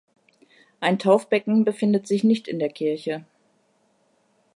Ein Taufbecken befindet sich nicht in der Kirche.